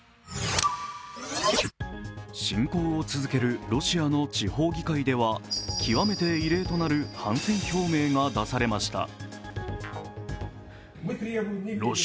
侵攻を続けるロシアの地方議会では極めて異例となる反戦表明が出されました。